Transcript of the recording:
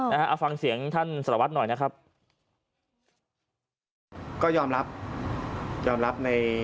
เอาฟังเสียงท่านสละวัดหน่อยนะครับ